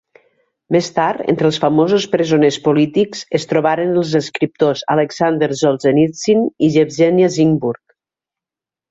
Més tard, entre els famosos presoners polítics es trobaren els escriptors Aleksandr Solzhenitsyn i Yevgenia Ginzburg.